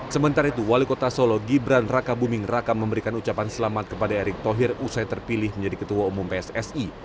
sementara itu wali kota solo gibran raka buming raka memberikan ucapan selamat kepada erick thohir usai terpilih menjadi ketua umum pssi